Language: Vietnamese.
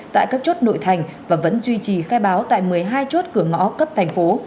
tại các chốt nội thành và vẫn duy trì khai báo tại một mươi hai chốt cửa ngõ cấp thành phố